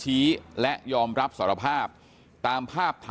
ทีมข่าวเราก็พยายามสอบปากคำในแหบนะครับ